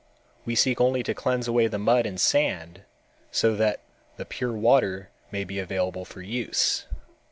We seek only to cleanse away the mud and sand, so that the pure water may be available for use.